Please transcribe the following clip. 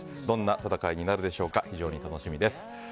どんな戦いになるでしょうか非常に楽しみです。